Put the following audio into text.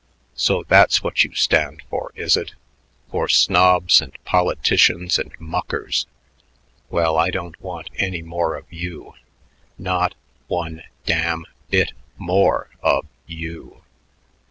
"So that's what you stand for, is it? For snobs and politicians and muckers. Well, I don't want any more of you not one damn bit more of you."